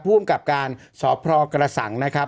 ร่วมกับการสอบพลอกระสังนะครับ